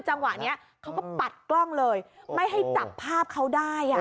จังหวะนี้เขาก็ปัดกล้องเลยไม่ให้จับภาพเขาได้อ่ะ